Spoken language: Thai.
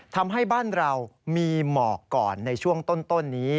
ทำให้บ้านเรามีหมอกก่อนในช่วงต้นนี้